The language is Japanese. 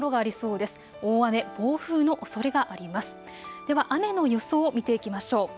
では雨の予想を見ていきましょう。